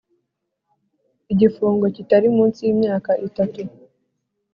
igifungo kitari munsi y imyaka itatu